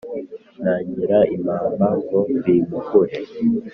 Ntangira impamba ngo bimpuhure.